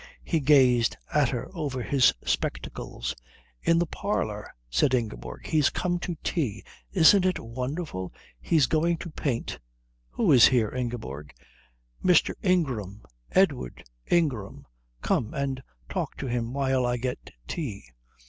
He gazed at her over his spectacles. "In the parlour," said Ingeborg. "He's come to tea. Isn't it wonderful? He's going to paint " "Who is here, Ingeborg?" "Mr. Ingram. Edward Ingram. Come and talk to him while I get tea."